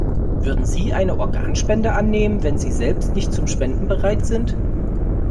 Würden Sie eine Organspende annehmen, wenn Sie selbst nicht zum Spenden bereit sind?